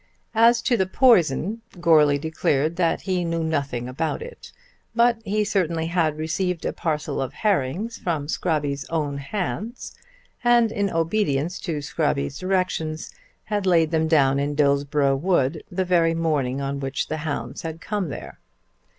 As to the poison, Goarly declared that he knew nothing about it; but he certainly had received a parcel of herrings from Scrobby's own hands, and in obedience to Scrobby's directions, had laid them down in Dillsborough Wood the very morning on which the hounds had come there.